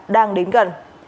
đang đến gần